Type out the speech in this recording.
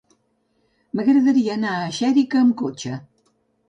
M'agradaria anar a Xèrica amb cotxe.